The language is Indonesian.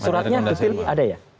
suratnya ada ya